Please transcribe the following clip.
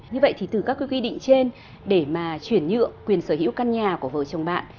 như vậy thì từ các quy định trên để mà chuyển nhượng quyền sở hữu căn nhà của vợ chồng bạn